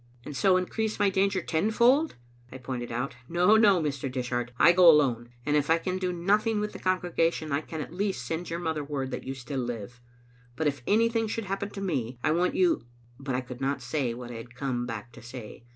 "And so increase my danger tenfold?" I pointed out. " No, no, Mr. Dishart, I go alone ; and if I can do noth ing with the congregation, I can at least send your mother word that you still live. But if anything should happen to me, I want you " But I could not say what I had come back to say.